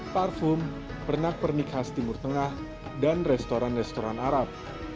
parfum pernak pernik khas timur tengah dan restoran restoran arab